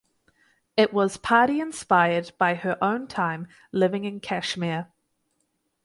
It was party inspired by her own time living in Kashmir.